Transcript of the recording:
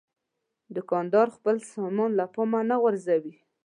دوکاندار خپل سامان له پامه نه غورځوي.